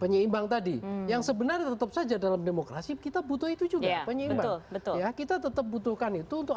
yang sebenarnya tetap saja dalam demokrasi kita butuh itu juga ya kita tetap butuhkan itu untuk